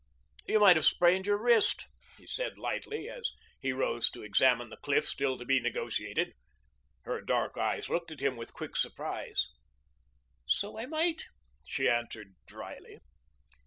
"You might have sprained your wrist," he said lightly as he rose to examine the cliff still to be negotiated. Her dark eyes looked at him with quick surprise. "So I might," she answered dryly.